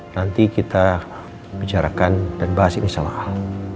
nanti kita bicarakan dan bahas ini sama al